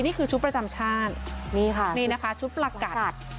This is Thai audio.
นี่คือชุดประจำชาตินี่ค่ะนี่นะคะชุดประกัด